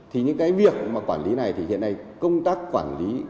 thì những cái việc mà quản lý này thì hiện nay công tác quản lý